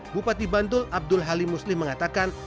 bupati bantul abdul halimusli mengatakan